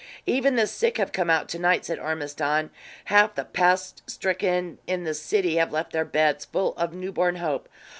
"Even the sick have come out to night," said Ormiston. "Half the pest stricken in the city have left their beds, full of newborn hope.